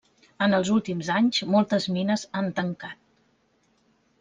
En els últims anys moltes mines han tancat.